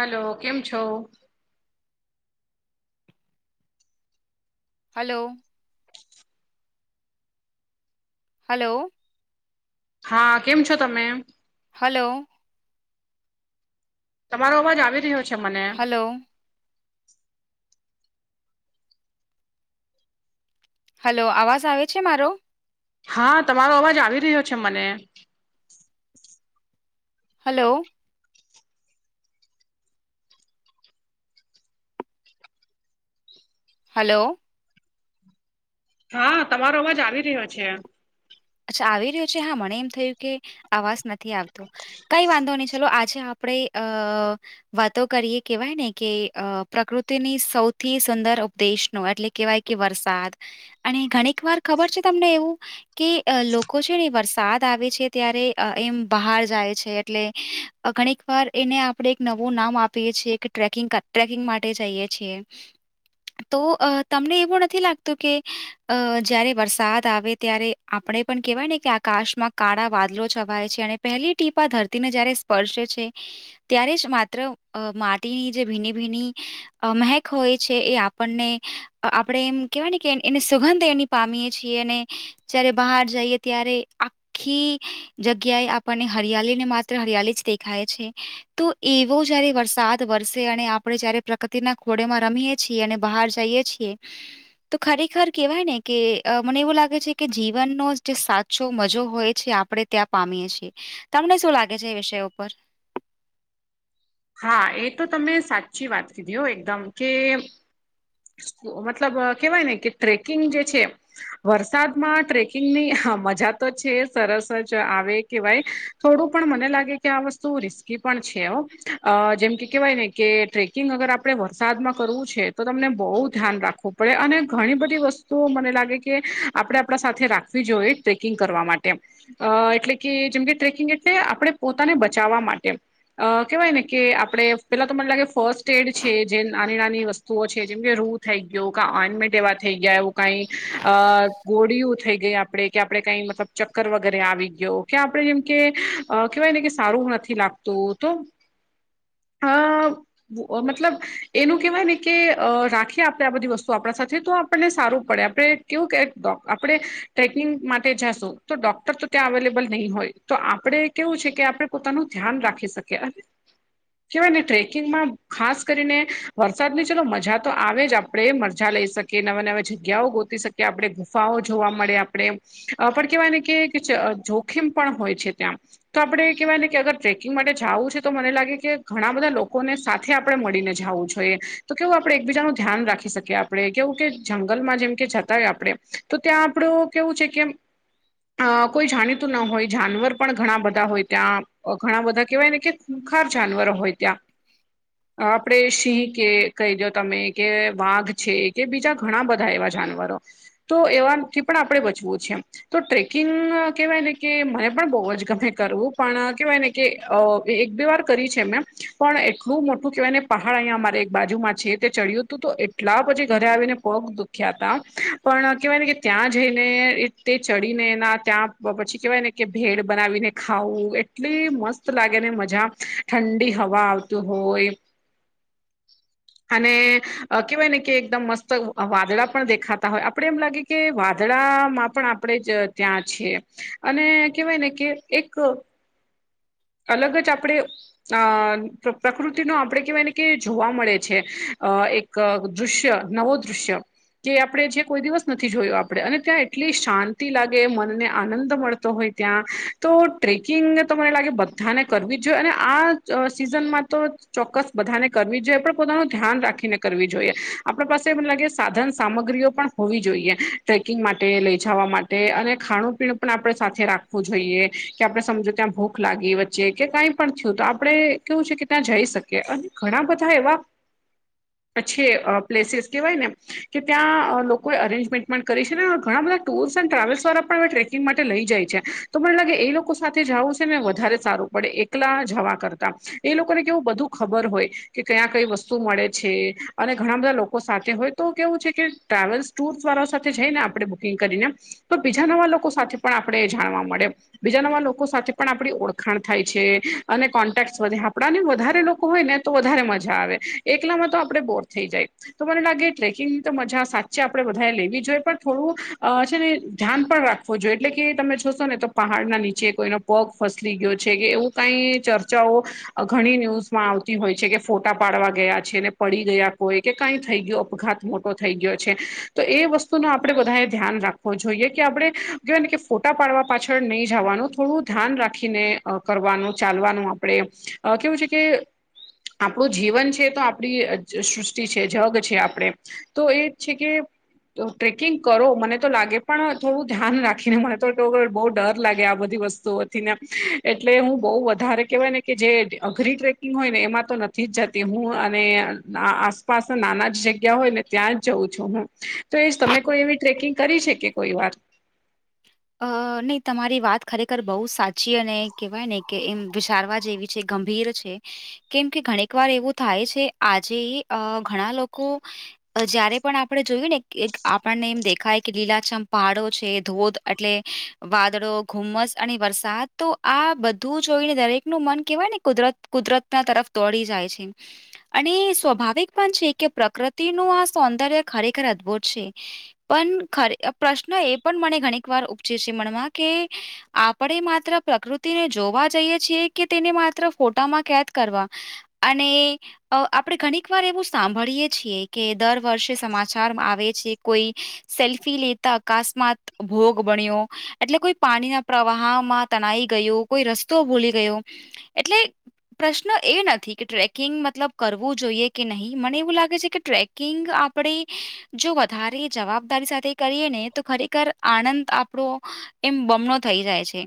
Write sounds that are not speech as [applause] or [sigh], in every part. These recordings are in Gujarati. હલો, કેમ છો. હલો હલો હા, કેમ છો, તમે હલો તમારો અવાજ આવી રહ્યો છે મને હલો હલો, અવાજ આવે છે, મારો હા, તમારો અવાજ આવી રહ્યો છે મને હલો હલો હા તમારો અવાજ આવી રહ્યો છે. અચ્છા. આવી રહ્યો છે હા, મને એમ થયું કે આવાજ નથી આવતો કઈ વાંધો નહી ચલો આજે આપણે આ વાતો કરીએ કેવાય ને કે પ્રકૃતિની સૌથી સુંદર ઉપદેશનો એટલે કેહેવાય. કે વરસાદ અને ઘણીક વાર ખબર છે, તમને એવું કે લોકો છે ને વરસાદ સાદ આવે છે ત્યારે એમ બહાર જાય છે એટલે ઘણીક વાર એને આપણે એક નવું નામ આપીએ છીએ કે ટ્રેકિંગ ટ્રેકિંગ માટે જઈએ છીએ. તો તમને એવું નથી લાગતું કે અ જયારે વરસાદ આવે ત્યારે આપણે પણ કેહેવાય ને કે આકાશમાં કાળા વાદલો છવાય છે અને પહેલી ટીપા ધરતીને જયારે પર્સે છે. ત્યારે જ માત્ર માટીની જે ભીની ભીની મહેક હોય છે એ આપણને, આપણે એમ કેહેવાય ને કે એને સુગંધ એની પામીએ છીએ અને જયારે બહાર જઈએ ત્યારે આખી જગ્યાએ આપણને હરિયાળી ને માત્ર હરિયાળી જ દેખાય છે. તો એવો જયારે વરસાદ વરસે અને આપણે જયારે પ્રકૃતિના ખોડેમાં રમીએ છીએ અને બહાર જઈએ છીએ. તો ખરેખર કેવાય ને કે મને એવું લાગે છે કે જીવનનો જે સાચો મજો હોય છે આપણે ત્યાં પામીએ છીએ. તમને શું લાગે છે એ વિષય ઉપર હા એ તો તમે સાચી વાત કીધી હો એકદમ કે મતલબ કેવાય ને કે ટ્રેકિંગ જે છે. વરસાદમાં ટ્રેકિંગની મજા તો છે સરસ જ આવે કેહેવાય થોડું પણ મને લાગે કે આ વસ્તુ રિસ્કી પણ છે, હો. અ જેમ કે કહેવાય ને કે ટ્રેકિંગ અગર આપણે વરસાદમાં કરવું છે તો તમને બહુ ધ્યાન રાખું પડે અને ઘણી બધી વસ્તુઓ મને લાગે કે આપણે આપણા સાથે રાખવી જોઈએ ટ્રેકિંગ કરવા માટે અ એટલે કે જેમ કે ટ્રેકિંગ એટલે આપણે પોતાને બચાવવા માટે કેહેવાય ને કે આપડે પેલા તો મને લાગે ફર્સ્ટ એડ છે જે નાની નાની વસ્તુઓ છે જેમ કે રૂત થઈ ગયું ક ઓનમેટ એવા થઈ ગયા એું કઈ અ ગોળી થઈ ગઈ આપડે કે આપડે કઈ મતલબ ચક્કર વગેરે આવી ગયો કે આપડણે જેમ કે અ કવાય ને કે સારું નથી લાગતું તો હવ. મતલબ એનું કેહેવાય ને કે રાખીએ આપણે આ બધી વસ્તુ આપણા સાથે તો આપણને સારું પડે આપણે કેવું કે આપણે ટ્રેકિંગ માટે જાશું તો ડોક્ટર તો ત્યાં અવેલેબલ નહીં હોય. તો આપડણે કેવું છે કે આપડણે પોતાનું ધ્યાન રાખી શકીએ અને કહેવાય ને ટ્રેકિંગમાં ખાસ કરીને વરસાદ ની ચલો મજા તો આવે જ આપણેે મજા લઈ શકીએ કે નવા નવા જગ્યાઓ ગોતી શકીએ આપણે ગુફાઓ જોવા મળે આપણે પણ કેહેવાય ને કે જોખીમ પણ હોય છે ત્યાં. તો આપડે કહેવાય ને કે અગર ટ્રેકિંગ માટે જવું છે તો મને લાગે કે ઘણા બધા લોકોને સાથે આપણે મળીને જવું જોઈએ તો કેવું આપણેે એકબીજા ન ધ્યાન રાખી શકીએ. આપણે કેવું કે જંગલમાં જેમ કે જતા હોય આપણેે તો ત્યાં આપડું કેવું છે કે અ કોઈ જાણીતું ના હોય જાનવર પણ ઘણા બધા હોય ત્યાં ઘણા બધા કેવાય ને કે ખૂખ જાનવર હોય ત્યા આપણે સિંહ કે કહી દયો તમે કે વાઘ છે કે બીજા ઘણા બધા એવા જાનવરો. તો એવા થી પણ આપડણે બચવું છે. તો ટ્રેકિંગ કેહેવાય ને કે મને પણ બહુ જ ગમે કરવું પણ કેહેવાય ને કે એક બે વાર કરી છે મે પણ એટલું મોટું કહેવાય ને પહાડ અહીંયા મારે એક બાજુમાં છે તે ચડ્યું હતું તો એટલા પછી ઘરે આવીને પોગ દુખ્યા હતા પણ કેહેવાય ને કે ત્યાં જઈને તે ચડીને એના ત્યાં પછી કેવાય ને કે ભેળ બનાવીને ખાવું એટલી મસ્ત લાગે ને મજા ઠંડી હવા આવતી હોય [inaudible] અને કેહેવાય ને કે એકદમ મસ્ત વાદળા પણ દેખાતા હોય આપડે એમ લાગે કે વાદળામાં પણ આપણેે જ ત્યાં છીએ અને કેહેવાય ને કે એક અલગ જ આપણે અ પ્રકૃતિનો આપણે કેહેવાય ને કે જોવા મળે છે અ એક દૃશ્ય નવો દૃશ્ય કે જે આપણે જે કોઈ દિવસ નથી જોયું આપણેે અને ત્યાં એટલી શાંતિ લાગે મનને આનંદ મળતો હોય ત્યાં તો ટ્રેકિંગ તો મને લાગે બધાને કરવી જોઈએ અને આ સિઝનમાં તો ચોક્કસ બધાને કરવી જોઈએ પણ પોતાનું ધ્યાન રાખીને કર જોઈએ આપ પાસે મને લાગે સાધન સામગ્રીઓ પણ હોવી જોઈએ ટ્રેકિંગ માટે લઈ જવા માટે અને ખાણું પીણું પણ આપણે સાથે રાખવું જોઈએ કે આપડણે સમજો ત્યાં ભૂખ લાગી છે કે કંઈ પણ થયું તો આપણે કેવું છે કે ત્યાં જઈ શકીએ અને ઘણા બધા એવા [inaudible] છ પ્લેસીસ કહેવાય ને કે ત્યાં લોકોએ અરેન્જમેન્ટ પણ કરી છે ને ઘણા બધા ટુર્સ એન્ડ ટ્રાવેલ્સ વાર પણ હવે ટ્રેકિંગ માટે લઈ જાય છે તો મને લાગે એ લોકો સાથે જવું છે ને વધારે સારું. પડે એકલા જવા કરતા એ લોકોને કેવું બધું ખબર હોય કે કયા કઈ વસ્તુ મળે છે અને ઘણા બધા લોકો સાથે હોય તો કેવું છે કે ટ્રાવેલ્સ ટૂર્સ વાળા સાથે જઈને આપણે બુકિંગ કરીને તો બીજા નવા લોકો સાથે પણ આપણે જાણવા મળે બીજા નવા લોકો સાથે પણ આપણી ઓળખાણ થાય છે અને કોન્ટેક્ટ વધે આપડાને વધારે લોકો હોય ને તો વધારે મજા આવે એકલામાં તો આપડણે બોર થઈ જાય તો મને લાગે ટ્રેકિંગની તો મજા સાચે આપડે બધાએ લેવી જોઈએ પણ થોડું છે ને ધ્યાન પણ રાખવું ો જો એટલે કે તમે જોશો ને તો પહાડ ના નીચે કોઈનો પગ ફસલી ગયો છે કે એવું કઈ ચર્ચાઓ ઘણી ન્યૂઝમાં આવતી હોય છે કે ફોટા પાડવા ગયા છે ને પડી ગયા કોઈ કે કઈ થઈ ગયું અપઘાત મોટો થઈ ગયો છે તો એ વસ્તુ ન આપણે બધા ધ્યાન રાખવો જોઈએ કે આપણે જો ને કે ફોટા પાડવા પાછળ નહીિ જવાનું થોડું ધ્યાન રાખીને અ કરવાનું ચાલવાનું આપણે કેવું છે કે આપણું જીવન છે તો આપણી સૃષ્ટિ છે જગ છે આપણે તો એ છે કે તો ટ્રેકિંગ કરો મને તો લાગે પણ થોડું ધ્યાન રાખીને મને તો બહુ ડર લાગે આ બધી વસ્તુ તોથી ને એટલે હું બહુ વધારે કહેવાય ને કે જે અઘરી ટ્રેકિંગ હોયને એમાં તો નથી જ જતી હું અને આસપાસ નાના જ જગ્યા હોય ને ત્યાં જ જઉં છું હું તો એ તમે કોઈ એવી ટ્રેકિંગ કરી છે કે કોઈ વાત અ નહી તમારી વાત ખરેખર બહુ સાચી અને કેહેવાય ને કે એમ વિચારવા જેવી છે ગંભીર છે કેમ કે ઘણીક વાર એવું થાય છે આજે અ ઘણા લોકો જયારે પણ આપણે જોયું ને એક આપણને એમ દેખાય કે લીલાજમ પહાડો છે, ધોધ એટલે વાદળો, ઘુમ્મસ અને વરસાદ તો આ બધું જોઈને દરેકનું મન કેહવાયને કુદરત કુદરતના તરફ દોડી જાય છે. અને સ્વાભાવિક પણ છે કે પ્રકૃતિનું આ સૌંદર્ય ખરેખર અદ્ભુત છે. પણ ખરે પ્રશ્ન એ પણ મને ઘણીક વાર ઉપજે છે મનમાં કે આપણે માત્ર પ્રકૃતિને જોવા જઈએ છીએ કે તેને માત્ર ફોટામાં કેદ કરવા? અને અ આપણે ઘણીક વાર એવું સાંભળીએ છીએ કે દર વર્ષે સમાચારમાં આવે છે. કોઈ સેલ્ફી લેતા અકસ્માત ભોગ બણ્યો એટલે કોઈ પાણીના પ્રવાહમાં તણાઈ ગયો, કોઈ રસ્તો ભૂલી ગયો. એટલે પ્રશ્ન એ નથી કે ટ્રેકિંગ મતલબ કરવું જોઈએ કે નહીં મને એવું લાગે છે કે ટ્રેક કિંગ આપણે જો વધારે જવાબદારી સાથે કરીએ ને તો ખરેખર આનંદ આપણો એમ બમણો થઈ જાય છે.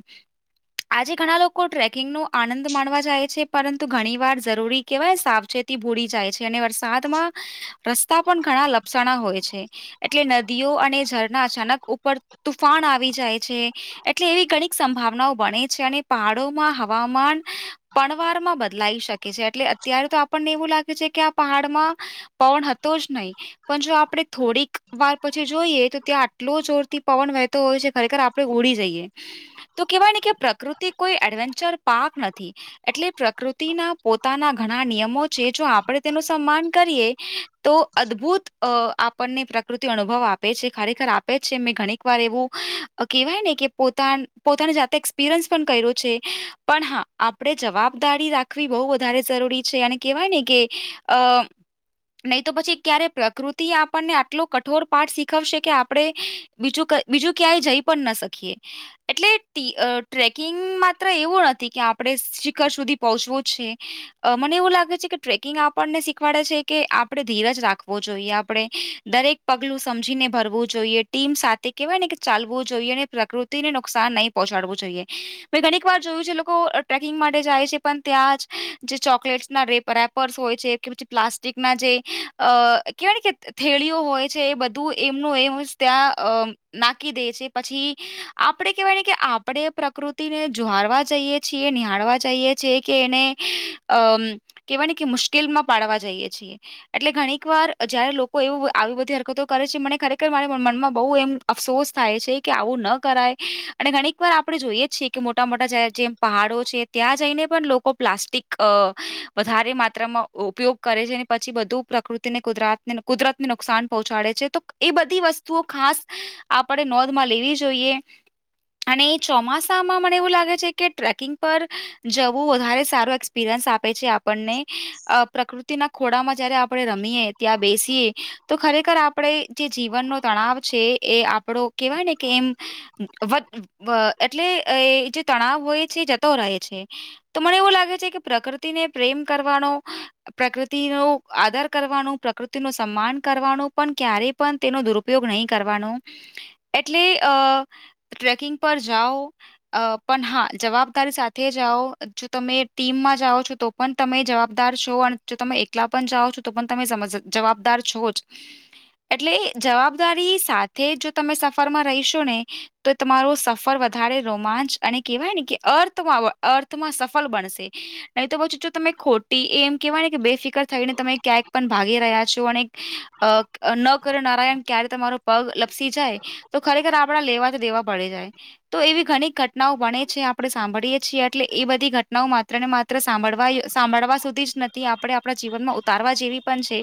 આજે ઘણા લોકો ટ્રેકિંગનો આનંદ માણવા જાય છે પરંતુ ઘણીવાર ઝરૂરી કેહવાય સાવચેત તી ભુડી જાય છે અને વરસાદમાં રસ્તા પણ ઘણા લપસણા હોય છે. એટલે નદીઓ અને ઝરના અચાનક ઉપર તુફાન આવી જાય છે. એટલે એવી ઘણીક સંભાવનાઓ બને છે અને પહાડોમાં હવામાન પણવારમાં બદલાઈ શકે છે એટલે અત્યારે તો આપણને એવું લાગે છે કે આ પહાડમાં પવન હતો જ નહીં પણ જો આપણે થોડીકવાર પછી જોઈએ તો ત્યાં આટલો જોર થી પવન વહેતો હોય છે ખરેખર આપણેે ઉડી જઈએ. તો કેહવાય ને કે પ્રકૃતિ કોઈ એડવેન્ચર પાર્ક નથી. એટલે પ્રકૃતિના પોતાના ઘણા નિયમો છે જો આપણે તેનું સન્માન કરીએ તો અદ્ભુત અ આપણને પ્રકૃતિ અનુભવ આપે છે ખરેખર આપે છે. ઘણીકવાર એવું કહેવાય ને કે પોતા પોતાની જાતે એક્સપિરિયન્સ પણ કર્યો છે. પણ હા આપણેે જવાબદારી રાખવી બહુ વધારે ઝરૂરી છે અને કેહવાય ને કે અ નઈ તો પછી ક્યારે પ્રકૃતિ આપણને આટલો કઠોર પાઠ શીખવશે કે આપણે બીજું ક બીજું ક્યાંય જઈ પણ ના શકીએ. એટલે ટી અ ટ્રેકિંગ માત્ર એવું નથી કે આપણે શિખર સુધી પહોંચવું છે. અ મને એવું લાગે છે કે ટ્રેકિંગ આપણને શીખવાડે છે કે આપણે ધીરજ રાખવો જોઈએ આપણે દરેક પગલું સમજીને ભરવું જોઈએ. ટીમ સાથે કેવાયને કે ચાલવું જોઈએ અને પ્રકૃતિને નુકસાન નહીં પહોંચાડવું જોઈએ. મેં ઘણીકવાર જોયું છે લોકો અ ટ્રેકિંગ માટે જાય છે પણ ત્યાં જ જે ચોકલેટ્સના રે રેપર્સ હોય છે. કે પછી પ્લાસ્ટિકના જે અ કહેવાય ને કે થેળીઓ હોય છે એ બધું એમનું એમ જ ત્યાં અ નાખી દેય છે પછી આપણે કેહવાય ને કે આપણે પ્રકૃતિને જોહારવા જઈએ છીએ, નિહાળવા જાઈએ છીએ કે એને અમ કેવાય ને કે મુશ્કેલમાં પાડવા જઈએ છીએ. એટલે ઘણીકવાર જયારે લોકો એવું આવી બધી હરકતો કરે છે મને ખરેખર મારી મનમાં બહુ એમ અફસોસ થાય છે કે આવું ન કરાય અને ઘણીકવાર આપણે જોઈએ છી કે મોટા-મોટા જ્યાં જેમ પહાડો છે ત્યાં જઈને પણ લોકો પ્લાસ્ટિક અ વધારે માત્રામાં ઉપયોગ કરે છે ને પછી બધું પ્રકૃતિને કુદરાતને કુદરતને નુકસાન પહોંચાડે છે તો એ બધી વસ્તુઓ ખાસ આપણે નોંધમાં લેવી જોઈએ. અને એ ચોમાસામાં મને એવું લાગે છે કે ટ્રેકિંગ પર જવું વધારે સારું એક્સ પીરિન્સ આપે છે આપણને અ પ્રકૃ તીના ખોડામાં જયારે આપણે રમીએ, ત્યાં બેસીએ તો ખરેખર આપણે જે જીવનનો તણાવ છે એ આપણો કેવાય ને કે એમ વધ એટલે એ જે તણાવ હોય છે એ જતો રહે છે. તો મને એવું લાગે છે, કે પ્રકૃતિને પ્રેમ કરવાનો પ્રકૃતિનો આદર કરવાનું, પ્રકૃતિનો સમ્માન કરવાનું, પન ક્યારેય પણ તેનો દૂર ઉ પયોગ નહી કરવાનો એટલે અ ટ્રેકિંગ પર જાઓ અ પન હા જવાબદારી સાથે જાઓ જો તમે ટીમમાં જાઓ છો તો પન તમે જવાબદાર છો અને જો તમે એકલા પણ જાઓ છો તો પણ તમે સમજ જવાબદાર છો જ એટલે જવાબદારી સાથે જો તમે સફરમાં રહીશો ને તો એ તમારો સફર વધારે રોમાંચ અને કહેવાય ને કે અર્થમાં અર્થમાં સફલ બનશે નહી તો પછી જો તમે ખોટી એમ કેહેવાય ને કે બેફિકર થઈને તમે ક્યાંયક પણ ભાગી રહ્યા છો અને અ ન કરે નારાયન ક્યારે તમારો પગ લપસી જાય તો ખરેખર આપડા લેવા કે દેવા પડી જાય તો એવી ઘણી ઘટનાઓ બણે છે, આપણે સાંભળીએે છીએ એટલે એ બધી ઘટનાઓ માત્ર ને મા ત્ર સાંભળવા એ સાંભળવા સુધી જ નથી આપણે આપણા જીવનમાં ઉતારવા જેવી પન છે.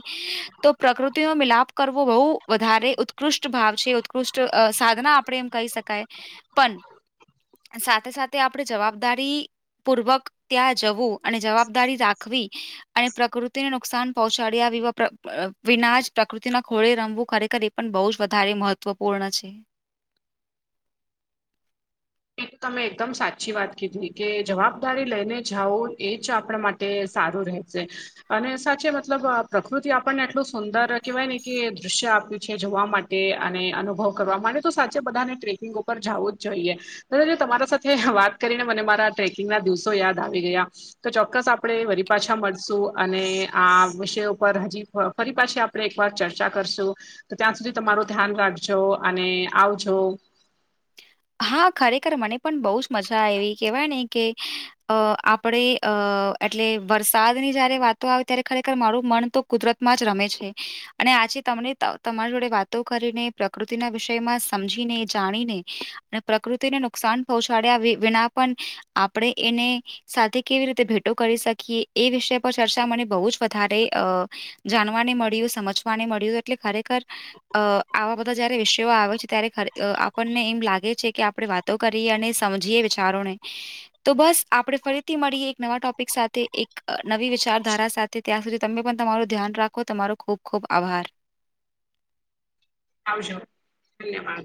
તો પ્રકૃતિનો મિલાપ કરવો બહુ વધારે ઉત્કૃષ્ટ ભાવ છે, ઉત્કૃષ્ટ અ સાધના આપણે એમ કહી શકાય પન સાથે સાથે આપણે જવાબદારી પૂર્વક ત્યાં જવું અને જવાબદારી રાખવી અને પ્રકૃતિને નુકસાન પહોંચાડ્યા વિવા વિના જ પ્રકૃતિના ખોળે રમવું ખરેખર એ પણ બહુ જ વધારે મહત્વપૂર્ણ છે. એ તમે એકદમ સાચી વાત કીધી કે જવાબદારી લઈને જાઓ એ જ આપણા મા તે સારું રહે છે. અને સાચે મતલબ અ પ્રકૃતિ આપણને એટલું સુંદર કેહેવાય ને કે દૃશ્ય આપ્યું છે, જોવા મા તે અને અનુભવ કરવા માટે તો સાચે બધાને ટ્રેકિંગ ઉપર જાવું જ જોઈએ એટલે જો તમારા સાથે વાત કરીને મને મારા ટ્રેકિંગના દિવસો યાદ આવી ગયા તો ચોક્કસ આપણે વરી પાછા મળશું અને આ વિષય ઉપર હજી હ ફરી પાછી આપણે એક વાર ચર્ચા કરશું. તો ત્યાં સુધી તમારો ધ્યાન રાખજો અને આવજો હા ખરેખર મને પન બહુ જ મજા આયવી કેવાય ને કે અ આપણે અ એટલે વરસાદની જયારે વાતો આવે ત્યારે ખરેખર મારું મન તો કુદરતમાં જ રમે છે. અને આજે તમને તમાર જોડે વાતો કરીને પ્રકૃતિના વિષયમાં સમજીને જાણીને ને પ્રકૃતિને નુકસાન પહોંચાડ્યા વી વિના પન આપણે એને સાથે કેવી રીતે ભેટો કરી શકીએ એ વિષય પર ચર્ચા મને બહુ જ વધારે અ જાણવાને મળ્યું સમજવાને મળ્યું એટલે ખરેખર અ આવા બધા જયારે વિષયો આવે છે, ત્યારે ખ આપણને એમ લાગે છે, કે આપણે વાતો કરીએ અને સમજીએ વિચારોને તો બસ આપણે ફરીથી મળીએ એક નવા ટોપિક સાથે એક નવી વિચારધારા સા થે તયાં સુધી તમે પણ તમારું ધ્યાન રાખો તમારો ખુબ ખુબ આભાર આવજો ધન્યવાદ